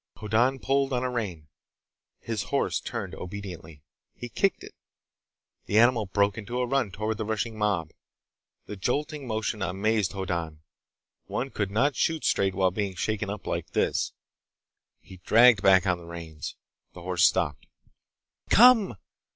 Hoddan pulled on a rein. His horse turned obediently. He kicked it. The animal broke into a run toward the rushing mob. The jolting motion amazed Hoddan. One could not shoot straight while being shaken up like this! He dragged back on the reins. The horse stopped. "Come!"